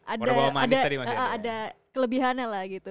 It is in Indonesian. ada kelebihannya lah gitu